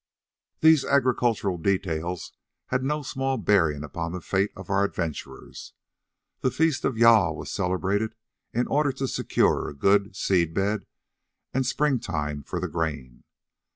These agricultural details had no small bearing upon the fate of our adventurers. The feast of Jâl was celebrated in order to secure a good seed bed and springing time for the grain.